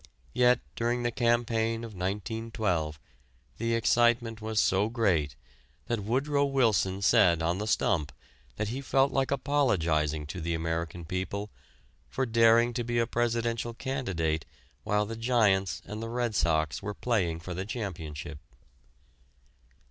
Yet during the campaign of 1912 the excitement was so great that Woodrow Wilson said on the stump he felt like apologizing to the American people for daring to be a presidential candidate while the Giants and the Red Sox were playing for the championship.